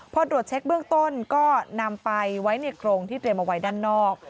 พอตรวจเช็คเบื้องต้นก็นำไปไว้ในโครงที่เตรียมเอาไว้ด้านนอก